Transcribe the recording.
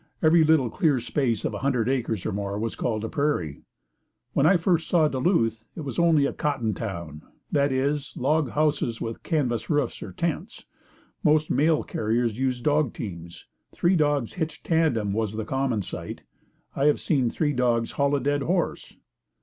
Every little clear space of a hundred acres or more was called a prairie. When I first saw Duluth it was only a cotton town. That is, log houses with canvas roofs or tents. Most mail carriers used dog teams. Three dogs hitched tandem was the common sight. I have seen three dogs haul a dead horse.